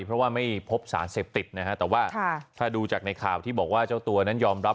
เพราะว่าไม่พบสารเสพติดนะฮะแต่ว่าถ้าดูจากในข่าวที่บอกว่าเจ้าตัวนั้นยอมรับ